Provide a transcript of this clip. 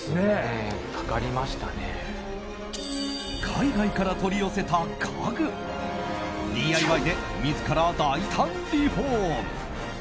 海外から取り寄せた家具ＤＩＹで自ら大胆リフォーム。